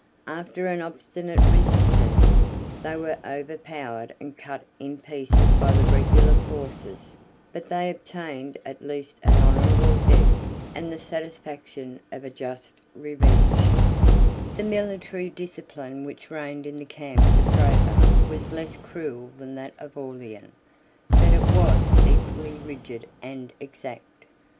After an obstinate resistance, they were overpowered and cut in pieces by the regular forces; but they obtained at least an honorable death, and the satisfaction of a just revenge. 56 55 (return) [ Hist. August. p. 240.] 56 (return) [ Zosim. l. i. p. 66.] The military discipline which reigned in the camps of Probus was less cruel than that of Aurelian, but it was equally rigid and exact.